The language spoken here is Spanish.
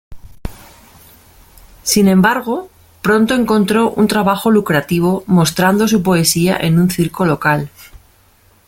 Sin embargo, pronto encontró un trabajo lucrativo mostrando su poesía en un circo local.